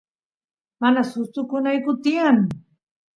mana sustukunayku tiyan